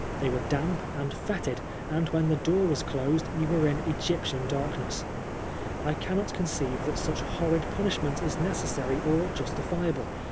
They were damp and fetid, and when the door was closed you were in ESgyptian darkness. I can not conceive that smch horrid punishment is necessary or justifiable.